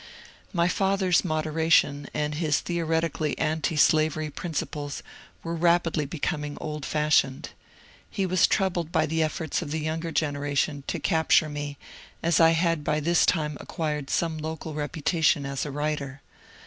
My father's moderation and his theoretically antislavery principles were rapidly becoming old fashioned. He was troubled by the efforts of the younger generation to capture me, as I had by this time acquired some local reputation as a writer.